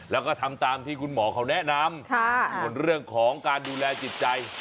แล้วก็ทำตามที่คุณหมอเขาแนะนำส่วนเรื่องของการดูแลจิตใจ